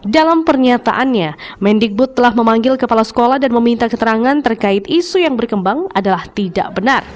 dalam pernyataannya mendikbud telah memanggil kepala sekolah dan meminta keterangan terkait isu yang berkembang adalah tidak benar